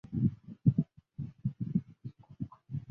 一般会用来作法国菜的头盘菜。